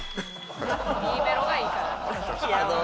Ｄメロがいいから。